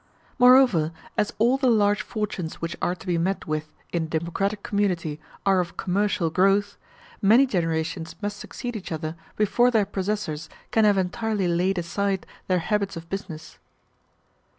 Moreover, as all the large fortunes which are to be met with in a democratic community are of commercial growth, many generations must succeed each other before their possessors can have entirely laid aside their habits of business.